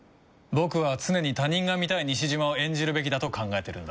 僕は常に他人が見たい西島を演じるべきだと考えてるんだ。